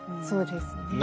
そうですね。